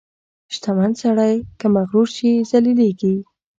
• شتمن سړی که مغرور شي، ذلیلېږي.